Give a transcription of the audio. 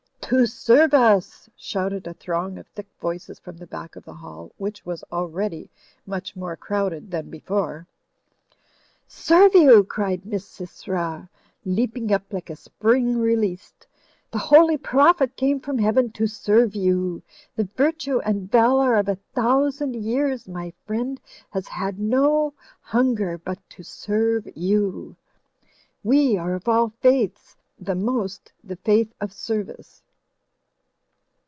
"To serve us," shouted a throng of thick voices from the back of the hall, which was already much more crowded than before. "Serve you !" cried Misysra, leaping up like a spring released, "The Holy Prophet came from Heaven to serve you! The virtue and valour of a thousand years, my friends, has had no htmger but to serve you ! We are of all faiths, the most the faith of service.